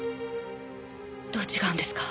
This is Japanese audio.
どう違うんですか？